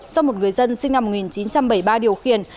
do một người dân sinh năm một nghìn chín trăm bảy mươi ba điều khiển